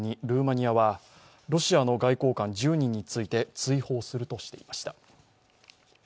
ルーマニアはロシアの外交官１０人について追放するとしました。